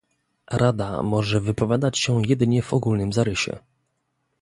Rada może wypowiadać się jedynie w ogólnym zarysie